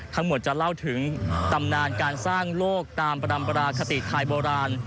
ทั้งหมดจะเล่าถึงตำนานการสร้างโลกตามประดำปราคติไทยโบราณ